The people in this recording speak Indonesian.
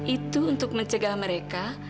itu untuk mencegah mereka